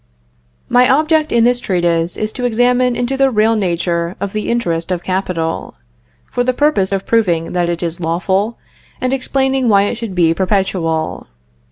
My object in this treatise is to examine into the real nature of the Interest of Capital, for the purpose of proving that it is lawful, and explaining why it should be perpetual.